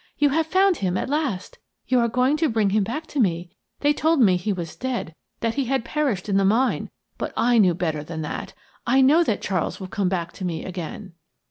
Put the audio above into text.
You have found him at last; you are going to bring him back to me. They told me he was dead, that he had perished in the mine; but I knew better than that. I know that Charles will come back to me again."